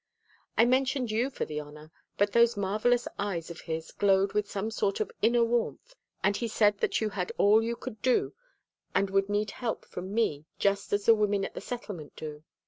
I mentioned you for the honor, but those marvelous eyes of his glowed with some sort of inner warmth and he said that you had all you could do and would need help from me just as the women at the Settlement do.